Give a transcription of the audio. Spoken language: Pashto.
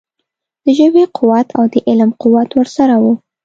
د ژبې قوت او د علم قوت ورسره وو.